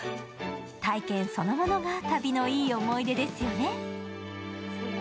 体験そのものが旅のいい思い出ですよね。